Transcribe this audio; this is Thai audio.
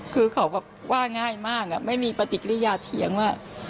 คือเขาแบบว่าง่ายมากไม่มีปฏิกิริยาเถียงว่า